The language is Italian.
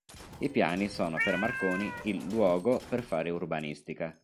I piani sono per Marconi il “luogo” per fare urbanistica.